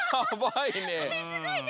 すごいね。